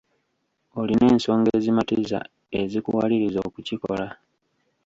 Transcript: Olina ensonga ezimatiza ezikuwaliriza okukikola.